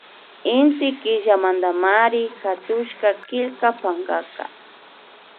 Inti Killamantamari hatushka killka pankaka